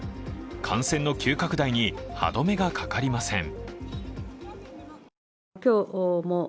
感染の急拡大に歯止めがかかりません。